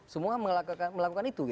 semua melakukan itu